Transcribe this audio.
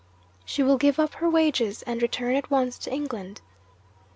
She will give up her wages, and return at once to England.